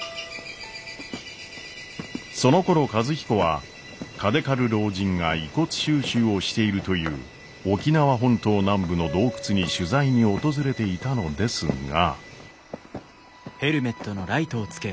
そのころ和彦は嘉手刈老人が遺骨収集をしているという沖縄本島南部の洞窟に取材に訪れていたのですが。